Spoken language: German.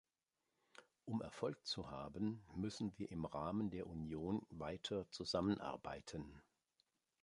Um Erfolg zu haben, müssen wir im Rahmen der Union weiter zusammenarbeiten.